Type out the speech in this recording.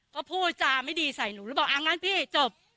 ก็พูดจาไม่ดีใส่หนูแล้วบอกอ่างั้นพี่จบ